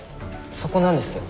そこなんです。